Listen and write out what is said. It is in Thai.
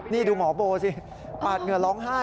นี่ดูหมอโบสิปาดเหงื่อร้องไห้